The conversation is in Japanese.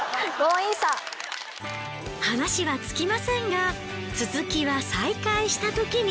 話は尽きませんが続きは再会したときに。